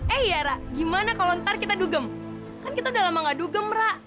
eh ya rak gimana kalau ntar kita dugem kan kita udah lama gak dugem rak